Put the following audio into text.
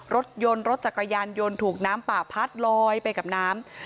รถยนต์รถจักรยานยนต์ถูกน้ำป่าพัดลอยไปกับน้ำ